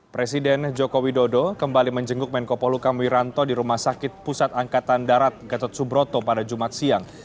presiden joko widodo kembali menjenguk menko polukam wiranto di rumah sakit pusat angkatan darat gatot subroto pada jumat siang